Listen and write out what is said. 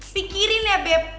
pikirin ya beb